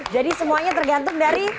jadi semuanya tergantung dari